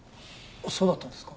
そうだったんですか。